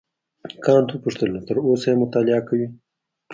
کانت وپوښتل نو تر اوسه یې مطالعه کوې.